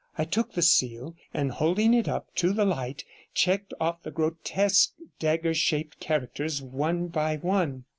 I took the seal, and, holding it up to the light, checked off the grotesque dagger shaped characters one by one.